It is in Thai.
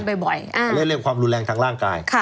เรียกเรียกความรุนแรงทางร่างกาย